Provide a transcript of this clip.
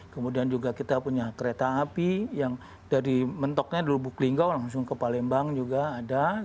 kemudian juga kita punya kereta api yang dari mentoknya di lubuk linggau langsung ke palembang juga ada